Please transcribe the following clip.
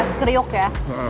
coba tes kriuk ya